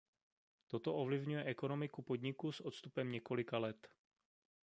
Toto ovlivňuje ekonomiku podniku s odstupem několika let.